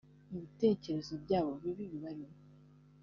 Ibitekerezo byabo bibi bibarimo